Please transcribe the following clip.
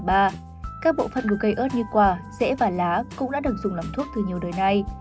các bộ phận của cây ớt như quả rễ và lá cũng đã được dùng làm thuốc từ nhiều đời nay